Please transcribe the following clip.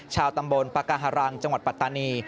ชาวตำบลปากาหารังจังหวัดปัตตานี